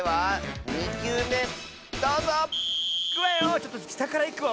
ちょっとしたからいくわ。